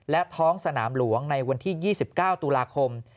และท้องสนามหลวงในวันที่๒๙ตุลาคม